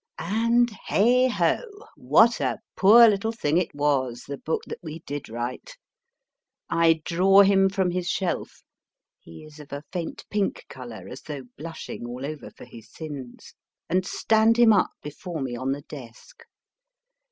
And, heigho ! what a poor little thing it was, the book that we did write ! I draw him from his shelf (he is of a faint pink colour, as though blushing all over for his sins), and stand him up before me on the desk.